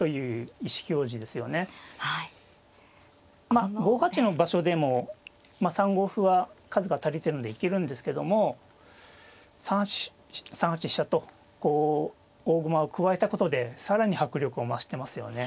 まあ５八の場所でも３五歩は数が足りてるんで行けるんですけども３八飛車とこう大駒を加えたことで更に迫力を増してますよね。